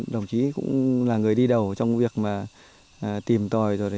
đồng chí cũng là người đi đầu trong việc làm kinh tế của xã quy tiến